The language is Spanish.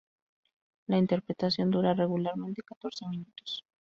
La interpretación dura regularmente catorce minutos.